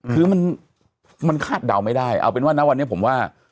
คือมันคาดเดาไม่ได้เอาเป็นว่านะวันนี้ผมว่า